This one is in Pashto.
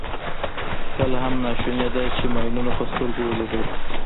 کله هم ناشونې ده چې ماینونه په سترګو ولیدل شي.